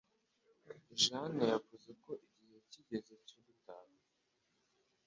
Jane yavuze ko igihe kigeze cyo gutaha.